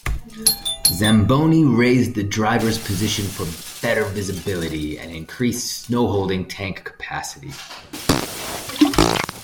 Zamboni raised the driver's position for better visibility, and increased snow-holding tank capacity.